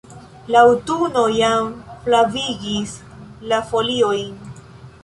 La aŭtuno jam flavigis la foliojn.